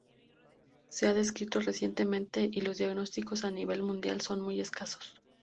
Se ha descrito recientemente y los diagnósticos a nivel mundial son muy escasos.